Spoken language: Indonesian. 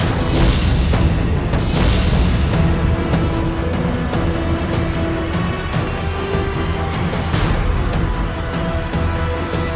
aku menyesal padamu dengan kuah